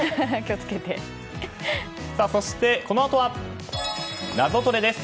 そしてこのあとは「ナゾトレ」です。